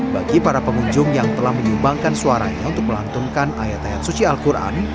bagi para pengunjung yang telah menyumbangkan suaranya untuk melantunkan ayat ayat suci al quran